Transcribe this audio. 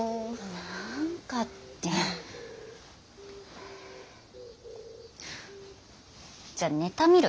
なんかって。じゃあネタ見る？